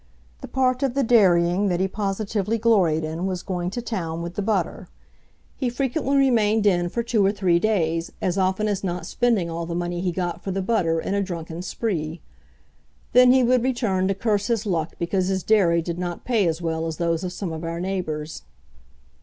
The part of the dairying that he positively gloried in was going to town with the butter. He frequently remained in for two or three days, as often as not spending all the money he got for the butter in a drunken spree. Then he would return to curse his luck because his dairy did not pay as well as those of some of our neighbours.